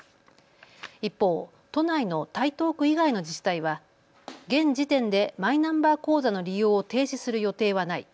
一方、都内の台東区以外の自治体は現時点でマイナンバー口座の利用を停止する予定はない。